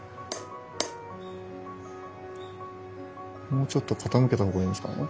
もうちょっと傾けた方がいいんですかね？